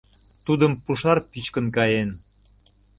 — Тудым пушар пӱчкын каен.